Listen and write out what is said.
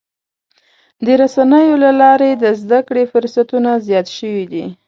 د رسنیو له لارې د زدهکړې فرصتونه زیات شوي دي.